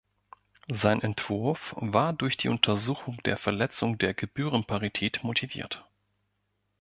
Sein Entwurf war durch die Untersuchung der Verletzung der Gebührenparität motiviert.